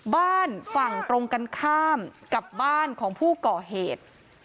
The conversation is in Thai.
บ้านฝั่งตรงกันข้ามกับบ้านของผู้ก่อเหตุ